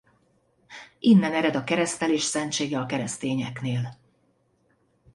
Innen ered a keresztelés szentsége a keresztényeknél.